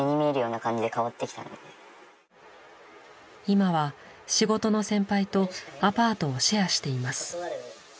今は仕事の先輩とアパートをシェアしています。